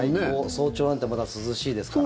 早朝なんてまだ涼しいですからね。